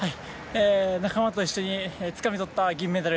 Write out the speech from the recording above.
仲間と一緒につかみとった銀メダル。